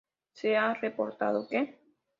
Se ha reportado que.